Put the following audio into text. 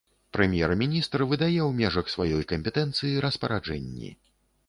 Прэм'ер-міністр выдае ў межах сваёй кампетэнцыі распараджэнні.